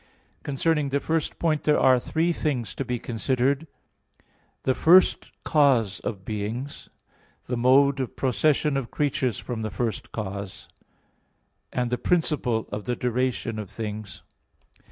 Concerning the first point there are three things to be considered: (1) the first cause of beings; (2) the mode of procession of creatures from the first cause; (3) the principle of the duration of things.